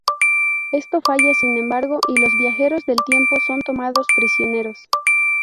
Esto falla, sin embargo, y los viajeros del tiempo son tomados prisioneros.